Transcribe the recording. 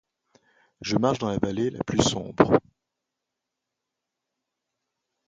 Je marche dans la vallée la plus sombre.